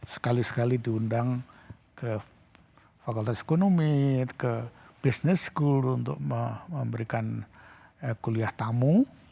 sekali sekali diundang ke fakultas ekonomi ke business school untuk memberikan kuliah tamu